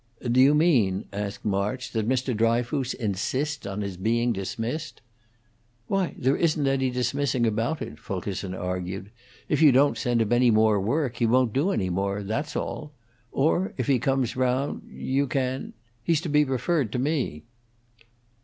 "Do you mean," asked March, "that Mr. Dryfoos insists on his being dismissed?" "Why, there isn't any dismissing about it," Fulkerson argued. "If you don't send him any more work, he won't do any more, that's all. Or if he comes round, you can He's to be referred to me."